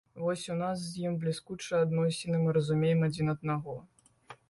Вось у нас з ім бліскучыя адносіны, мы разумеем адзін аднаго.